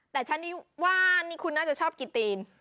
แต่ฉันนี่ว่านี่คุณน่าจะชอบกินตีน